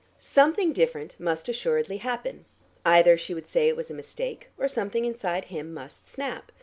Something different must assuredly happen: either she would say it was a mistake, or something inside him must snap.